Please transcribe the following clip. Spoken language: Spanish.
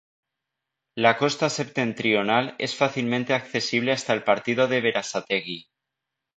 La costa septentrional es fácilmente accesible hasta el partido de Berazategui.